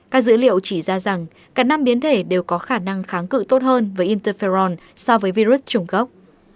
các dữ liệu chỉ ra rằng cả năm biến thể đều có khả năng kháng cự tốt hơn với interferon so với virus trùng gốc